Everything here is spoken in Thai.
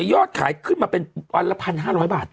ยอดขายขึ้นมาเป็นวันละ๑๕๐๐บาทนะ